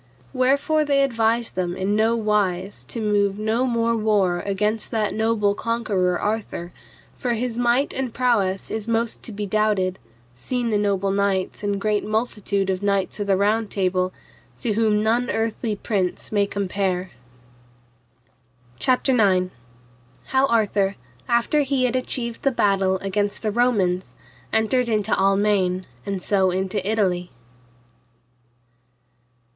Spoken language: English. Wherefore they advised them in no wise to move no more war against that noble conqueror Arthur, for his might and prowess is most to be doubted, seen the noble kings and great multitude of knights of the Round Table, to whom none earthly prince may compare. CHAPTER IX. How Arthur, after he had achieved the battle against the Romans, entered into Almaine, and so into Italy.